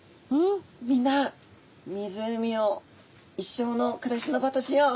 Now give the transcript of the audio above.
「みんな湖を一生の暮らしの場としよう」。